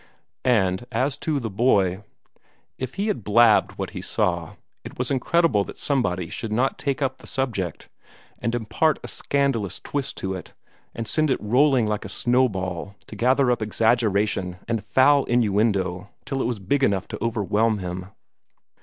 And as to the boy. If he had blabbed what he saw, it was incredible that somebody should not take the subject up, and impart a scandalous twist to it, and send it rolling like a snowball to gather up exaggeration and foul innuendo till it was big enough to overwhelm him.